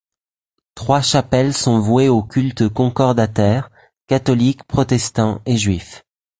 Trois chapelles sont vouées aux cultes concordataires, catholique, protestant et juif.